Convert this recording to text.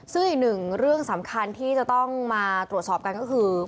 ซึ่งอีกหนึ่งเรื่องสำคัญที่จะต้องมาตรวจสอบกันก็คือ